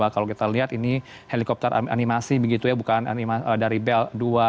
kalau kita lihat ini helikopter animasi begitu ya bukan dari bell dua ratus dua belas